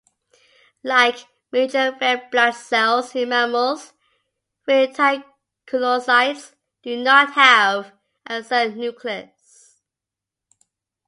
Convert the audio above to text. Like mature red blood cells, in mammals reticulocytes do not have a cell nucleus.